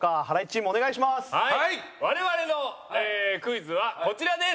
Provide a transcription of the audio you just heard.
我々のクイズはこちらです！